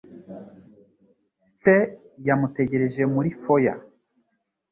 Se yamutegereje muri foyer.